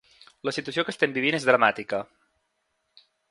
La situació que estem vivint és dramàtica.